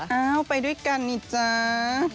เอาไปด้วยกันนี่จ้า